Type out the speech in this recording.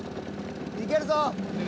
いけるぞ。